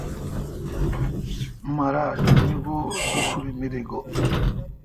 مرال۔ می گو ڈوکوری مری گو°